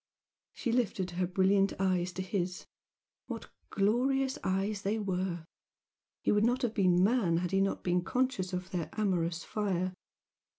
She lifted her brilliant eyes to his what glorious eyes they were! He would not have been man had he not been conscious of their amorous fire.